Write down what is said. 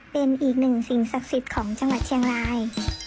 เป็นอีกหนึ่งสิ่งศักดิ์สิทธิ์ของจังหวัดเชียงราย